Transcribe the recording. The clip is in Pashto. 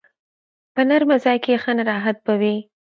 په نرمه ځای کښېنه، راحت به وي.